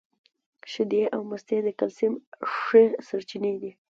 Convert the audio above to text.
شیدې او مستې د کلسیم ښې سرچینې دي